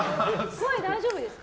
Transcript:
声、大丈夫ですか？